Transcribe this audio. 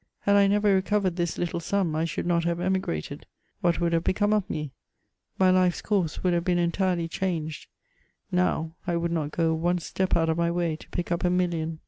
Had I never recovered this little simi, I should not have emigrated : what would have hecome of me ? My life's course would have heen entirely changed ; now, I woidd not go one step out of my way to pick up a million.